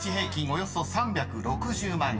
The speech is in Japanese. およそ３６０万人］